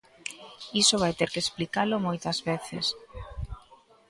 Iso vai ter que explicalo moitas veces.